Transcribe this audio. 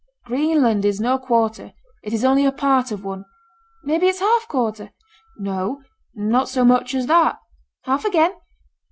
'Greenland is no quarter. It is only a part of one.' 'Maybe it's a half quarter.' 'No, not so much as that.' 'Half again?'